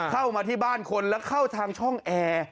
เข้ามาที่บ้านคนแล้วเข้าทางช่องแอร์